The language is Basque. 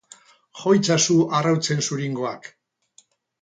Jo itzazu arrautzen zuringoak.